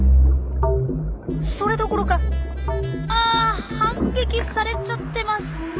それどころかあ反撃されちゃってます。